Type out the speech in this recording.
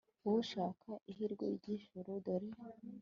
wowe ushaka ihirwe ry'ijuru , dore